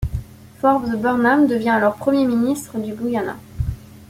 Forbes Burnham devient alors Premier Ministre du Guyana.